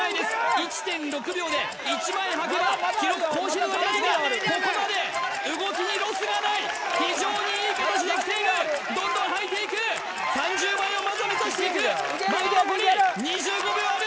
１．６秒で１枚はけば記録更新を大丈夫大丈夫ここまで動きにロスがない非常にいい形できているどんどんはいていく３０枚をまずは目指していくいけるいけるいける２５秒ある